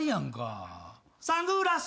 「サングラス」